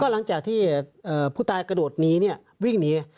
หลังจากที่ผู้ตายกระโดดหนีวิ่งหนี